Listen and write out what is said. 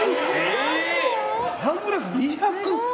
サングラス２００？